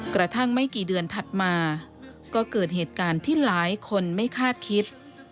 กระทั่งไม่กี่เดือนถัดมาก็เกิดเหตุการณ์ที่หลายคนไม่คาดคิด